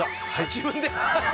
自分で。